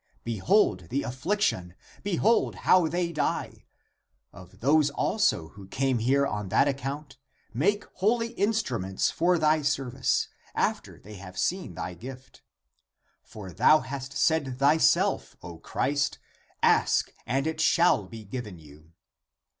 Behold the affliction, behold how they die ! Of those also who came here on that account, make holy instruments for thy service, after they have seen thy gift! For thou hast said thyself, O Christ, ask and it shall be given you.